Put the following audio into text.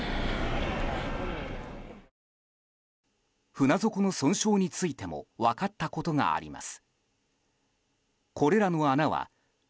船底の損傷についても分かったことがあります。